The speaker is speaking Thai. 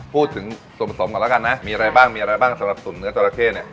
พูดถึงสมก่อนแล้วกันนะมีอะไรบ้างสำหรับตุ๋นเนื้อจอระเข้เนี่ย